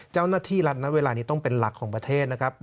เจ้าหน้าที่รัฐณเวลานี้ต้องเป็นหลักของประเทศนะครับ